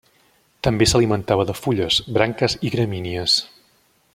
També s'alimentava de fulles, branques i gramínies.